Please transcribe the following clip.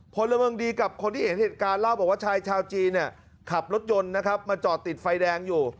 พลเมืองดีกับคนที่เห็นเหตุการณ์เล่าบอกว่าชายชาวจีนเนี่ยขับรถยนต์นะครับมาจอดติดไฟแดงอยู่